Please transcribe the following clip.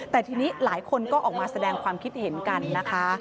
แต่ทีนี้หลายคนก็ออกมาแสดงความคิดเห็นกันนะคะ